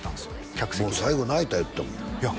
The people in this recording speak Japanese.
客席で「もう最後泣いた」言うてたもんいや